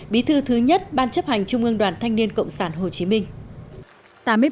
bí thư thứ nhất ban chấp hành trung ương đoàn thanh niên cộng sản hồ chí minh